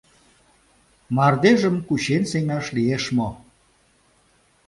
Мардежым кучен сеҥаш лиеш мо?